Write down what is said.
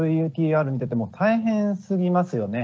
ＶＴＲ見てても大変すぎますよね